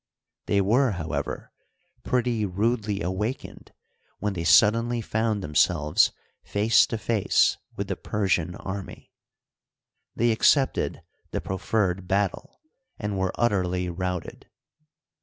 They were, however, pretty rudely awakened when they suddenly found them selves face to face with the Persian army. They accepted the proffered battle and were utterly routed.